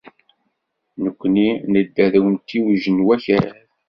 Nekkni nedder deg umtiweg n Wakal.